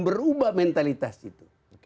berubah mentalitas itu